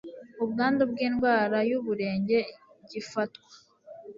ubwandu bw indwara y uburenge gifatwa